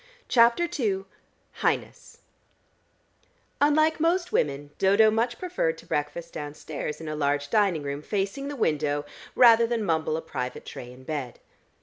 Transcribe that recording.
CHAPTER II HIGHNESS Unlike most women Dodo much preferred to breakfast downstairs in a large dining room, facing the window, rather than mumble a private tray in bed.